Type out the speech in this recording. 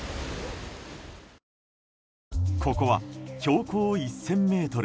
ここは標高１０００ｍ